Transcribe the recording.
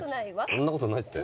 そんなことないって。